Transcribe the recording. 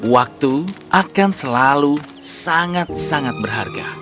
waktu akan selalu sangat sangat berharga